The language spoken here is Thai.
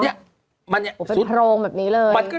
เนี่ยมันเป็นโพรงแบบนี้เลย